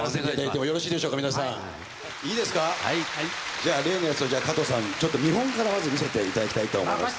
じゃあ例のやつを加藤さんにちょっと見本からまず見せていただきたいと思います。